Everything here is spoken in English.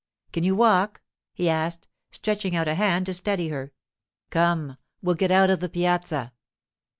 'Can you walk?' he asked, stretching out a hand to steady her. 'Come, we'll get out of the piazza.